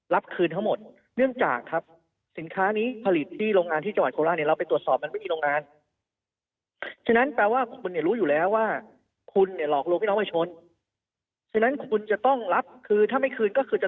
รับคืนทั้งหมดเพราะว่าสินค้านี้ผลิตที่โรงงานที่จังหวัดโคราชเนี่ย